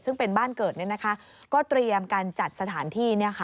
ซึ่งเป็นบ้านเกิดก็เตรียมการจัดสถานที่